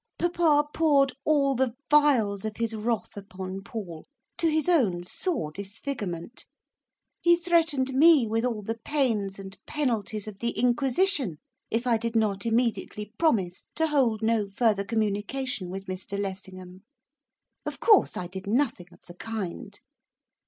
Papa poured all the vials of his wrath upon Paul, to his own sore disfigurement. He threatened me with all the pains and penalties of the inquisition if I did not immediately promise to hold no further communication with Mr Lessingham, of course I did nothing of the kind.